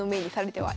はい。